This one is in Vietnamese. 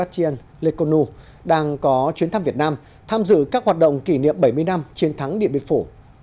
chiên lê côn nụ đang có chuyến thăm việt nam tham dự các hoạt động kỷ niệm bảy mươi năm chiến thắng điện biên phủ